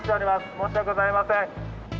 申し訳ございません。